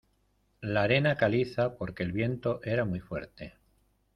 la arena caliza porque el viento era muy fuerte.